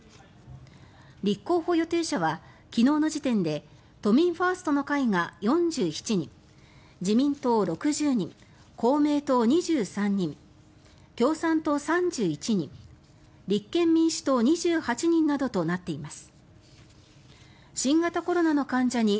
立候補予定者は昨日の時点で都民ファーストの会が４７人自民党、６０人公明党、２３人共産党、３１人立憲民主党２８人などとなっています。